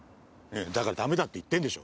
だからダメだって言ってんでしょ。